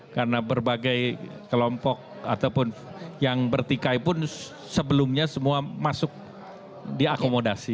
karena berbagai kelompok ataupun yang bertikai pun sebelumnya semua masuk diakomodasi